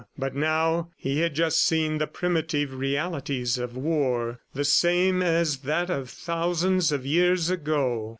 ... But now he had just seen the primitive realities of war. The same as that of thousands of years ago!